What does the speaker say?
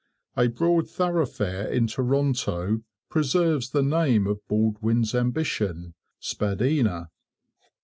A broad thoroughfare in Toronto preserves the name of Baldwin's ambition, 'Spadina.'